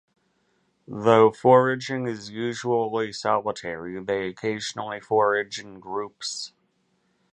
Though foraging is usually solitary, they occasionally forage in groups.